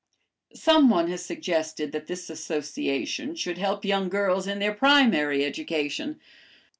Someone has suggested that this association should help young girls in their primary education.